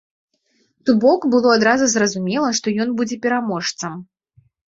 То бок было адразу зразумела, што ён будзе пераможцам.